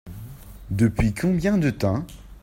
Depuis combien de temps ?